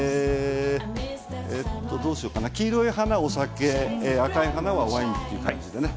黄色い花はお酒赤い花はワインという感じでね。